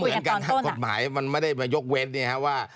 มันก็เหมือนการแหกกฎหมายมันไม่ได้มายกเว้นเนี่ยครับว่า